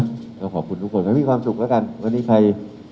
ก็ขอบคุณทุกคนให้มีความสุขแล้วกันวันนี้ใคร